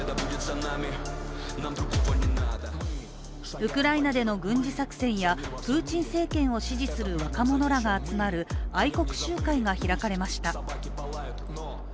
ウクライナでの軍事作戦やプーチン政権を支持する若者らが集まる愛国集会が開かれました。